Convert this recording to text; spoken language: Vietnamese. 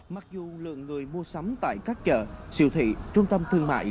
mặc dù lượng người mua sắm tại các chợ siêu thị trung tâm thương mại